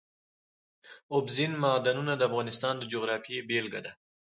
اوبزین معدنونه د افغانستان د جغرافیې بېلګه ده.